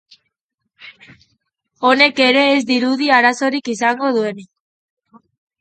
Honek ere ez dirudi arazorik izango duenik.